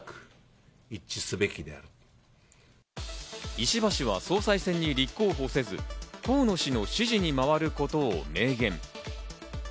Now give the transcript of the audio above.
石破氏は総裁選に立候補せず、河野氏の支持に回ることを明言。